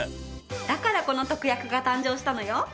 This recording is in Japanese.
だからこの特約が誕生したのよ。